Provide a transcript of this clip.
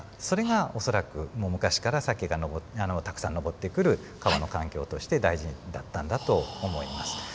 それが恐らくもう昔からサケがたくさん上ってくる川の環境として大事だったんだと思います。